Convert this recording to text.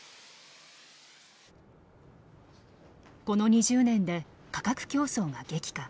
この２０年で価格競争が激化。